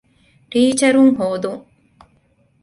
ޓީޗަރުން ހޯދުން